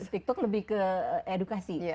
tiktok lebih ke edukasi